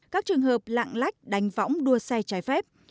các trường hợp lạng lách đánh võng đua xe trái phép